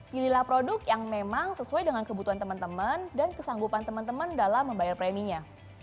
pilihlah produk yang memang sesuai dengan kebutuhan temen temen dan kesanggupan temen temen dalam membayar preminya